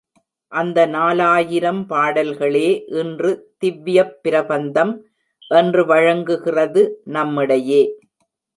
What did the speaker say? அந்த நாலாயிரம் பாடல்களே இன்று திவ்யப் பிரபந்தம் என்று வழங்குகிறது நம்மிடையே.